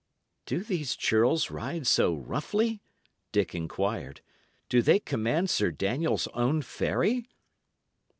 "Do these churls ride so roughly?" Dick inquired. "Do they command Sir Daniel's own ferry?"